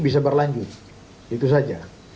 bisa berlanjut itu saja